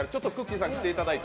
さん来ていただいて。